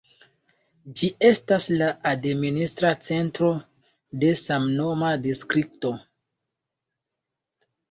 Ĝi estas la administra centro de samnoma distrikto.